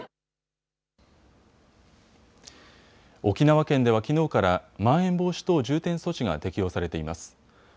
沖縄県ではきのうからまん延防止等重点措置が適用されています。